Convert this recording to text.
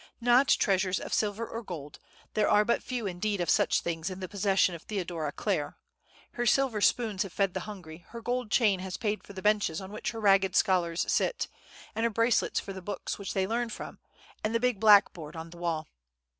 Not treasures of silver or gold; there are but few indeed of such things in the possession of Theodora Clare: her silver spoons have fed the hungry; her gold chain has paid for the benches on which her ragged scholars sit, and her bracelets for the books which they learn from, and the big blackboard on the wall.